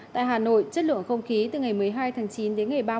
tại hà nội chất lượng không khí từ ngày một mươi hai chín đến ngày ba mươi chín